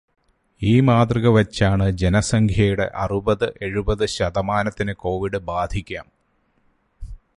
ഈ മാതൃക വെച്ചാണു ജനസംഖ്യയുടെ അറുപത്-എഴുപത് ശതമാനത്തിന് കോവിഡ് ബാധിക്കാം